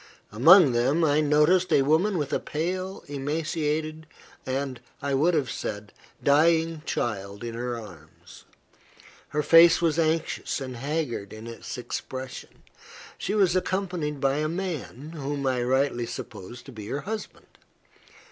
Among them, I noticed a woman with a pale, emaciated, and, I would have said, dying child in her arms. Her face was anxious and haggard in its expression. She was accompanied by a man, whom I rightly supposed to be her husband.